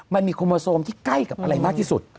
มันมีโคโมโซมที่ใกล้กับอะไรมากที่สุด